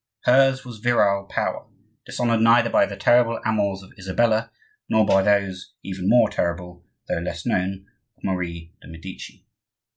Hers was virile power, dishonored neither by the terrible amours of Isabella nor by those, even more terrible, though less known, of Marie de' Medici.